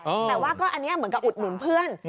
แต่ว่าก็อันนี้เหมือนกับอุดหนุนเพื่อน